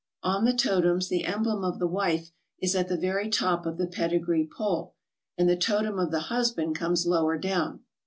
On the totems the emblem of the wife is at the very top of the pedigree pole, and the totem of the husband comes lower down.